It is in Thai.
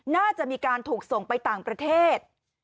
น่าจะมีการถูกส่งไปต่างประเทศ